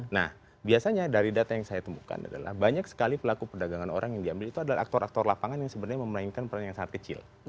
nah biasanya dari data yang saya temukan adalah banyak sekali pelaku perdagangan orang yang diambil itu adalah aktor aktor lapangan yang sebenarnya memainkan peran yang sangat kecil